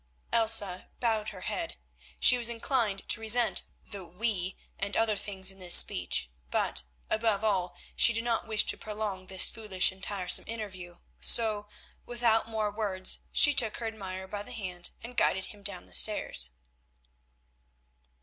Elsa bowed her head. She was inclined to resent the "we" and other things in this speech, but, above all, she did not wish to prolong this foolish and tiresome interview, so, without more words, she took her admirer by the hand and guided him down the stairs.